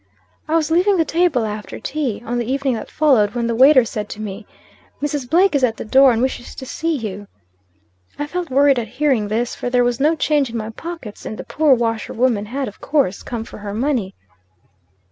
"I was leaving the table, after tea, on the evening that followed, when the waiter said to me "'Mrs. Blake is at the door, and wishes to see you.' "I felt worried at hearing this; for there was no change in my pockets, and the poor washerwoman, had, of course, come for her money.